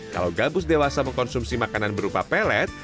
kalau gabus dewasa mengkonsumsi makanan berupa pelet